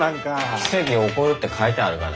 奇跡起こるって書いてあるがな。